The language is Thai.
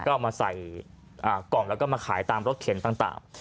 ก็เอามาใส่กล่องแล้วก็มาขายตามรถเข็นต่าง